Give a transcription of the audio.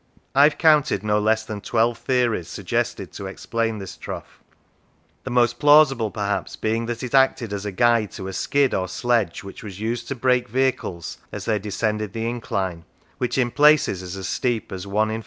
I have counted no less than twelve theories suggested to explain this trough; the most plausible, perhaps, being that it acted as a guide to a skid or sledge which was used to brake vehicles as they descended the incline, which in places is as steep as i in 4!